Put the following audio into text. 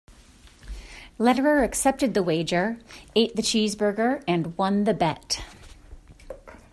Lederer accepted the wager, ate the cheeseburger, and won the bet.